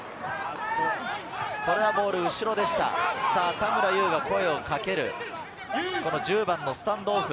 田村優が声をかける、１０番のスタンドオフ。